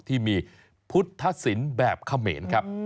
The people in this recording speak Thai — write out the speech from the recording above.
ที่มีพุทธสินแบบเขมนครับ